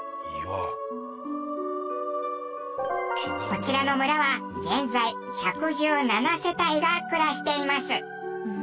こちらの村は現在１１７世帯が暮らしています。